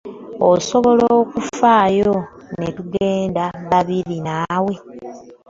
Osobola okufaayo ne tugenda babiri naawe?